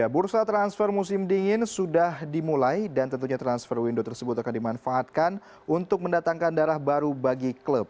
bursa transfer musim dingin sudah dimulai dan tentunya transfer window tersebut akan dimanfaatkan untuk mendatangkan darah baru bagi klub